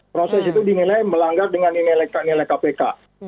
proses itu dinilai melanggar dengan nilai kpk